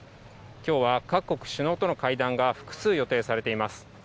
きょうは各国首脳との会談が複数予定されています。